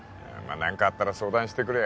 何かあったら相談してくれよ